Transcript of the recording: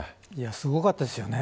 すごかったですよね。